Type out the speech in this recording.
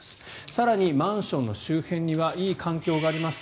更にマンションの周辺にはいい環境があります。